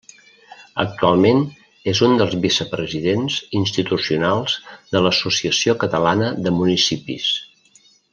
Actualment és un dels vicepresidents institucionals de l’Associació Catalana de Municipis.